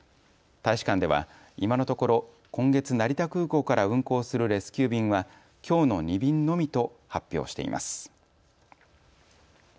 大使館では今のところ、今月成田空港から運航するレスキュー便は、きょうの２便のみと発表しています。